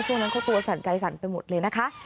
ช่วงนั้นเขาตัวสั่นใจสั่นไปหมดเลยนะคะ